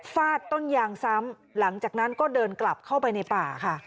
ฟาดต้นยางซ้ำหลังจากนั้นก็เดินกลับเข้าไปในป่าค่ะ